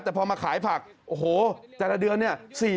แต่พอมาขายผักโอ้โหแต่ละเดือนเนี่ย